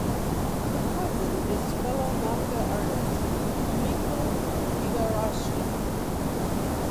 Her cousin is fellow manga artist, Yumiko Igarashi.